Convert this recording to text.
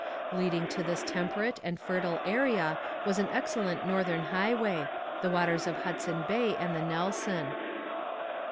Leading to this temperate and fertile area was an excellent northern highway the waters of Hudson Bay and the Nelson.